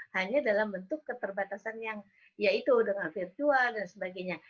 hanya dalam bentuk keterbatasan yang ya itu dengan virtual dan sebagainya